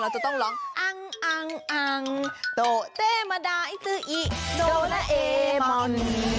เราจะต้องร้องอังอังอังโตเตมดาอิสุอิโดราเอมอน